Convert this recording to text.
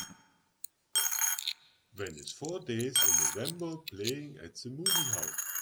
When is Four Days in November playing at the movie house?